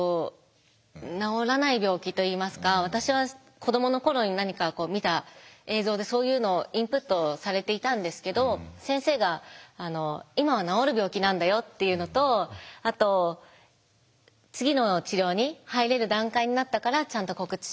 私は子どもの頃に何か見た映像でそういうのをインプットされていたんですけど先生が「今は治る病気なんだよ」っていうのとあと「次の治療に入れる段階になったからちゃんと告知しました。